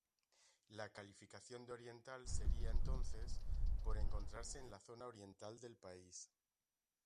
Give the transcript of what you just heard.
La calificación de oriental sería, entonces, por encontrarse en la zona oriental del país.